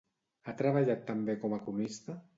Ha treballat també com a cronista?